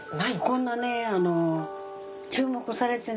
こんなね注目されてなかった。